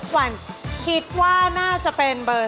ขวัญคิดว่าน่าจะเป็นเบอร์